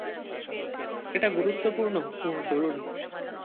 এটা গুরুত্বপূর্ণ ও জরুরি।